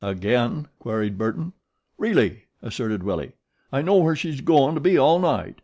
"Again?" queried Burton. "Really," asserted Willie. "I know where she's goin' to be all night.